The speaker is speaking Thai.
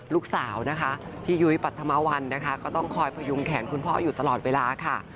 ลูกสาวนะคะพี่ยุ้ยปรัฐมวัลนะคะก็ต้องคอยพยุงแขนคุณพ่ออยู่ตลอดเวลาค่ะ